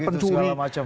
pencuri segala macam